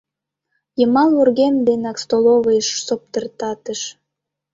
Йымал вургем денак столовыйыш соптыртатыш.